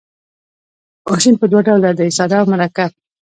ماشین په دوه ډوله دی ساده او مرکب.